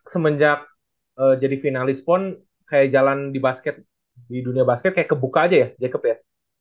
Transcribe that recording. semenjak jadi finalis pon kayak jalan di basket di dunia basket kayak kebuka aja ya jacob ya